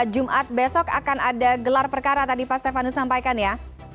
jumat besok akan ada gelar perkara tadi pak stefano sampaikan ya